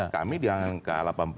kami dianggap delapan puluh lima